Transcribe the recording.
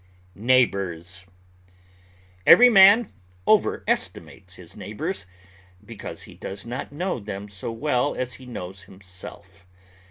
NEIGHBORS Every man overestimates his neighbors, because he does not know them so well as he knows himself.